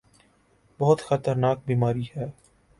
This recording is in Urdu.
بہت خطرناک بیماری ہے۔